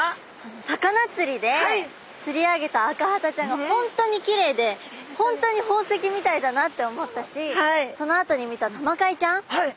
魚釣りで釣り上げたアカハタちゃんが本当にきれいで本当に宝石みたいだなって思ったしそのあとに見たタマカイちゃんはい。